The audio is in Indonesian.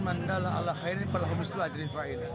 mandala ala khairin perlahan lahan